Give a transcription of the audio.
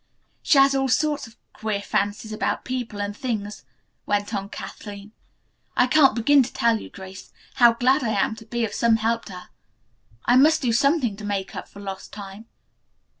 "She has all sorts of queer fancies about people and things," went on Kathleen. "I can't begin to tell you, Grace, how glad I am to be of some help to her. I must do something to make up for lost time."